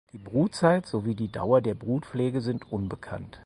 Die Brutzeit sowie die Dauer der Brutpflege sind unbekannt.